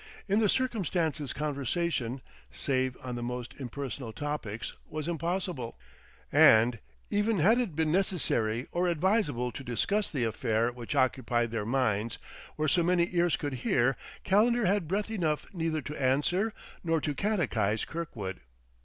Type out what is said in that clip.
In the circumstances conversation, save on the most impersonal topics, was impossible; and even had it been necessary or advisable to discuss the affair which occupied their minds, where so many ears could hear, Calendar had breath enough neither to answer nor to catechize Kirkwood.